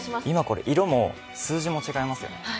今、色も数字も違いますよね。